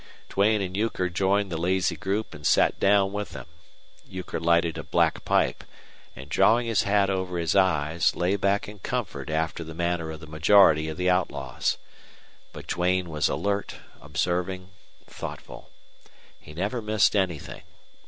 Duane and Euchre joined the lazy group and sat down with them. Euchre lighted a black pipe, and, drawing his hat over his eyes, lay back in comfort after the manner of the majority of the outlaws. But Duane was alert, observing, thoughtful. He never missed anything.